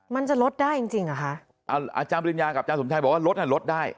มันจะลดได้จริงจริงเหรอคะอาจารย์ปริญญากับอาจารสมชัยบอกว่ารถน่ะลดได้